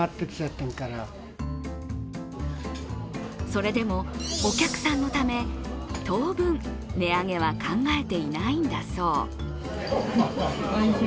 それでもお客さんのため当分、値上げは考えていないんだそう。